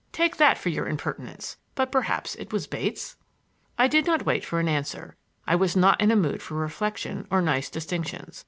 Take that for your impertinence. But perhaps it was Bates?" I did not wait for an answer. I was not in a mood for reflection or nice distinctions.